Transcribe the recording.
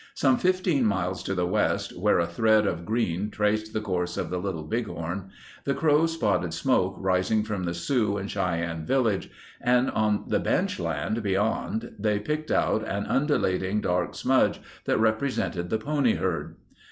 Some 15 miles to the west, where a thread of green traced the course of the Little Bighorn, the Crows spotted smoke rising from the Sioux and Cheyenne village, and on the benchland beyond they picked out an undulating dark smudge that represented the pony herd.